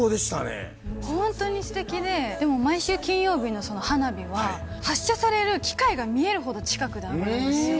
本当にすてきで、でも毎週金曜日のその花火は、発射される機械が見えるほど近くで上がるんですよ。